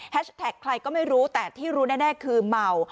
แฮชแท็กใครก็ไม่รู้แต่ที่รู้แน่คือเหมา